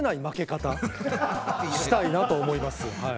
負け方したいなと思います。